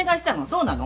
どうなの？